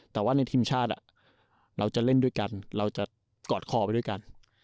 แต่ว่าในทีมชาติเราจะเล่นด้วยกันเราจะกอดคอไปด้วยกัน